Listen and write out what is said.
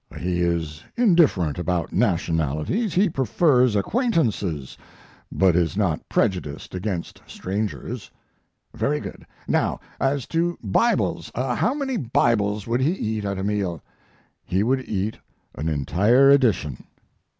"He is indifferent about nationalities. He prefers acquaintances, but is not prejudiced against strangers." "Very good. Now, as to Bibles. How many Bibles would he eat at a meal?" "He would eat an entire edition."